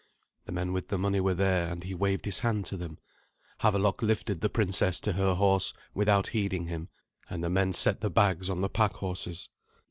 The men with the money were there, and he waved his hand to them. Havelok lifted the princess to her horse without heeding him, and the men set the bags on the pack horses.